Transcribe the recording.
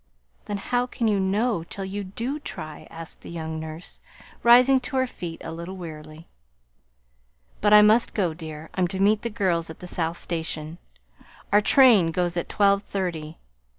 "Then how can you know till you do try?" asked the young nurse, rising to her feet a little wearily. "But I must go, dear. I'm to meet the girls at the South Station. Our train goes at twelve thirty.